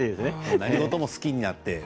何事も好きになって。